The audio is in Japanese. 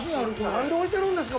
なんで置いてるんですか？